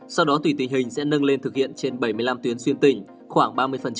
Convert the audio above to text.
sau đó tùy tình hình sẽ nâng lên thực hiện trên bảy mươi năm tuyến xuyên tỉnh khoảng ba mươi